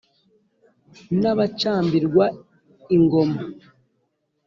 n'abacambirwa ingoma